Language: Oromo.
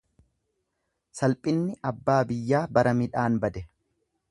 Salphinni abbaa biyyaa bara midhaan bade.